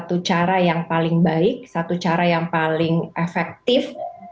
satu cara yang paling baik satu cara yang paling efektif